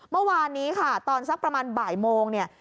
เมื่อวานนี้ค่ะตอนสักประมาณบ่ายโมงเนี่ย